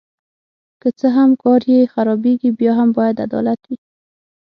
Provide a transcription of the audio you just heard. که څه هم کار یې خرابیږي بیا هم باید عدالت وي.